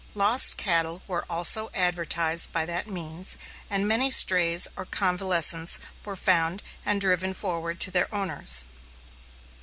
Lost cattle were also advertised by that means, and many strays or convalescents were found and driven forward to their owners.